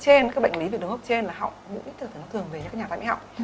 trên các bệnh lý về đường hấp trên là họng mũi thường về những nhà ta bị họng